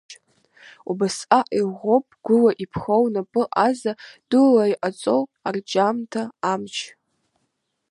Убасҟак иӷәӷәоуп гәыла иԥхоу, напы ҟаза дула иҟаҵоу арҿиамҭа амч.